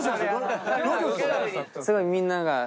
すごいみんなが。